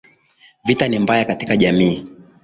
Vita ni mbaya katika jamiii